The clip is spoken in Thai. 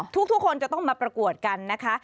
ทุกคนจะต้องมาประกวดกันนะคะ